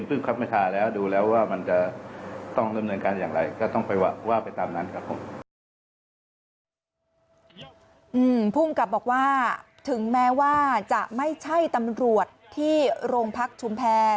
ภูมิกับบอกว่าถึงแม้ว่าจะไม่ใช่ตำรวจที่โรงพักชุมแพร